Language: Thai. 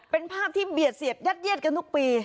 เป็นภาพที่เบียดเสียบยัดเยียดกันทุกปี